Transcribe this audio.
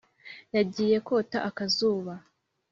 Yagiye kota akazuba